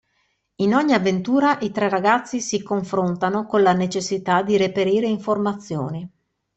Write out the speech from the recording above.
In ogni avventura i tre ragazzi si confrontano con la necessità di reperire informazioni.